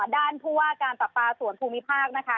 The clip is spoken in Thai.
ด้านผู้ว่าการปรับปลาสวนภูมิภาคนะคะ